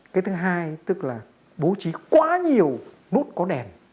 cái thứ hai tức là bố trí quá nhiều nút có đèn